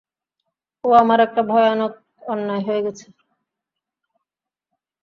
এ আমার একটা ভয়ানক অন্যায় হয়ে গেছে।